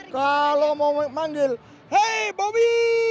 kalau mau memanggil hei bobby